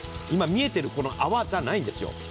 今見えてるこの泡じゃないんですよ。